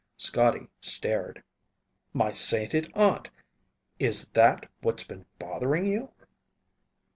Scotty stared. "My sainted aunt! Is that's what's been bothering you?"